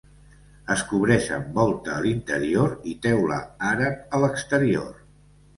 Es cobreix amb volta a l'interior i teula àrab a l'exterior.